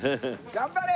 頑張れ！